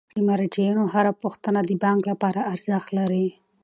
د مراجعینو هره پوښتنه د بانک لپاره ارزښت لري.